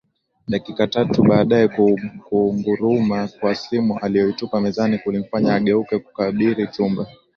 Dakika tatu baadae kuunguruma kwa simu aliyoitupa mezani kulimfanya ageuke kukabiri chumba